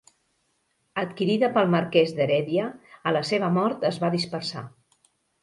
Adquirida pel marquès d'Heredia, a la seva mort es va dispersar.